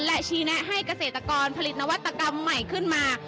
และชี้แนะให้เกษตรกรผลิตนวัตกรรมใหม่ขึ้นมา